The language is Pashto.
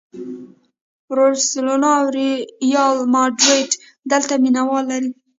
بارسلونا او ریال ماډریډ دلته مینه وال لري.